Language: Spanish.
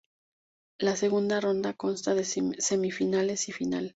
La segunda ronda consta de semifinales y final.